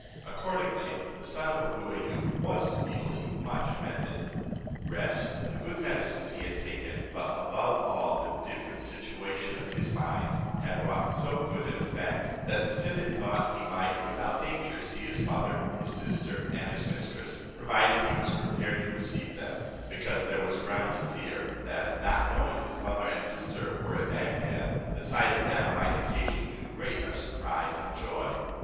Accordingly the son of Abou Ayoub was speedily much amended. Rest, and the good medicines he had taken, but above all the different situation of his mind, had wrought so good an effect, that the syndic thought he might without danger see his mother, his sister, and his mistress, provided he was prepared to receive them; because there was ground to fear, that, not knowing his mother and sister were at Bagdad, the sight of them might occasion too great surprise and joy.